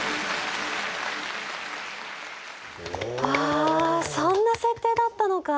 ああそんな設定だったのか。